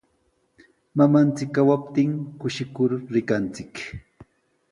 Mamanchik kawaptin kushikur rikanchik.